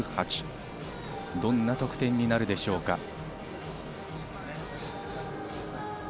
どんな得点になるでしょうか。